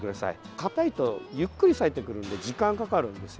硬いとゆっくり咲いてくるんで時間がかかるんです。